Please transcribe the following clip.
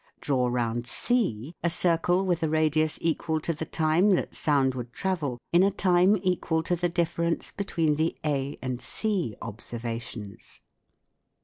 Draw round C a circle with a radius equal to the time that sound would travel in a time equal to the difference between the A and C observations.